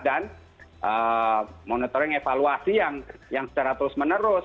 dan monitoring evaluasi yang secara terus menerus